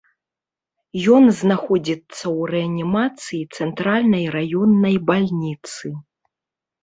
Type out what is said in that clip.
Ён знаходзіцца ў рэанімацыі цэнтральнай раённай бальніцы.